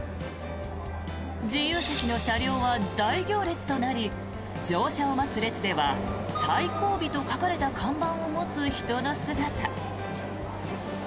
自由席の車両は大行列となり乗車を待つ列では最後尾と書かれた看板を持つ人の姿。